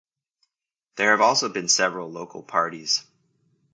There have also been several local parties.